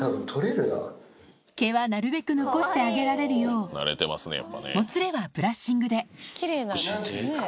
毛はなるべく残してあげられるようもつれはブラッシングで何つうんですか